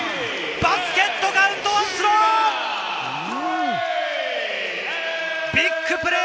バスケットカウント、ワンスロー。